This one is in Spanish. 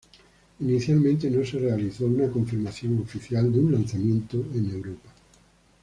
Inicialmente, no se realizó una confirmación oficial de un lanzamiento en Europa.